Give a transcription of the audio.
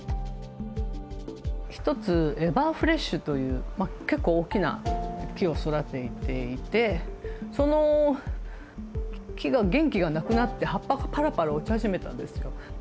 一つ、エバーフレッシュという結構大きな木を育てていてその木が、元気がなくなって葉っぱがパラパラ落ち始めたんですよ。